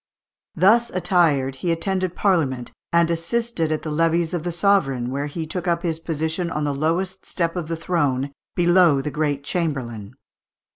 Thus attired he attended Parliament, and assisted at the levees of the sovereign, where he took up his position on the lowest step of the throne, below the great Chamberlain.